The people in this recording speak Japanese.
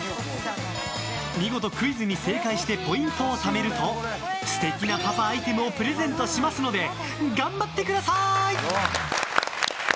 見事クイズに正解してポイントをためると素敵なパパアイテムをプレゼントしますので頑張ってください。